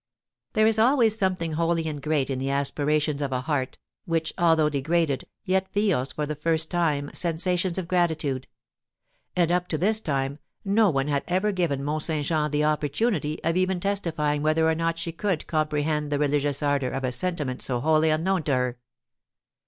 There is always something holy and great in the aspirations of a heart, which, although degraded, yet feels for the first time sensations of gratitude; and, up to this time, no one had ever given Mont Saint Jean the opportunity of even testifying whether or not she could comprehend the religious ardour of a sentiment so wholly unknown to her.